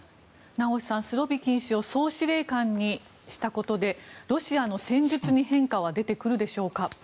名越さん、スロビキン氏を総司令官にしたことでロシアの戦術に変化は出てくるでしょうか？